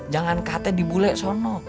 jangan kate di bule sono